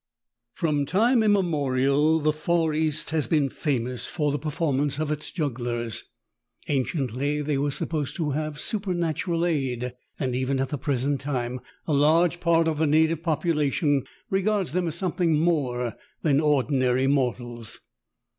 ^ROM time immemorial the far East has been famous for the perform anee of its jugglers. Aneiently ^^1^ they were supposed to have supernatural aid, and even at the present time a large part of the native population regards them as something more than ordinary mortals.